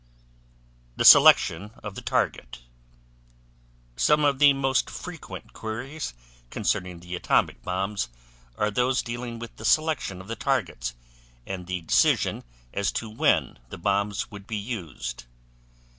THE SELECTION OF THE TARGET Some of the most frequent queries concerning the atomic bombs are those dealing with the selection of the targets and the decision as to when the bombs would be used.